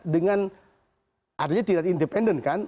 dengan artinya tidak independen kan